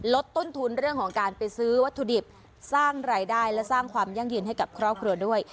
ลดต้นทุนเรื่องของการไปซื้อวัตถุดิบสร้างรายได้และสร้างความยั่งยืนให้กับครอบครัวด้วย